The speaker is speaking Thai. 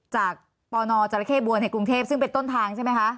จากปนจรภาคบวรในกรุงเทพฯซึ่งเป็นต้นทางใช่ไหมคะ